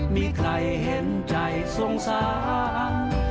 มีใครเห็นใจสงสาร